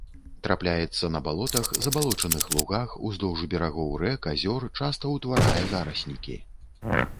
Трапляецца на балотах, забалочаных лугах, уздоўж берагоў рэк, азёр, часта ўтварае зараснікі.